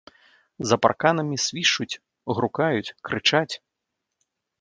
За парканамі свішчуць, грукаюць, крычаць.